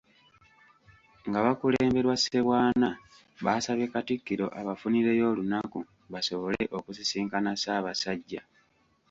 Nga bakulemberwa Ssebwana baasabye Katikkiro abafunireyo olunaku basobole okusisinkana Ssabasajja.